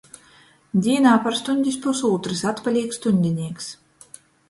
Dīnā par stuņdis pusūtrys atpalīk stuņdinīks!